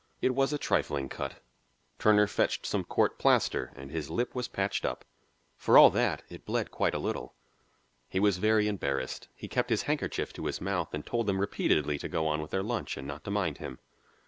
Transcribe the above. It was a trifling cut. Turner fetched some court plaster, and his lip was patched up. For all that, it bled quite a little. He was very embarrassed; he kept his handkerchief to his mouth and told them repeatedly to go on with their lunch and not to mind him.